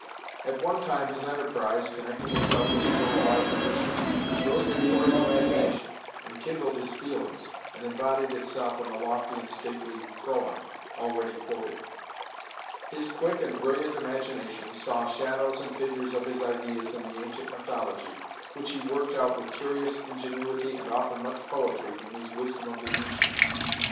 At one time his enterprise, connecting itself with his own life and mission, rose before his imagination and kindled his feelings, and embodied itself in the lofty and stately "Proem" already quoted. His quick and brilliant imagination saw shadows and figures of his ideas in the ancient mythology, which he worked out with curious ingenuity and often much poetry in his Wisdom of the Ancients.